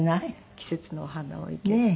季節のお花を生けて。